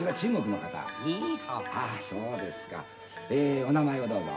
えお名前をどうぞ。